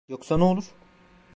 Yoksa ne olur?